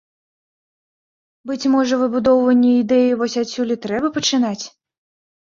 Быць можа, выбудоўванне ідэі вось адсюль і трэба пачынаць.